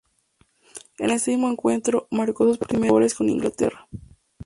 En este mismo encuentro marcó sus primeros dos goles con Inglaterra.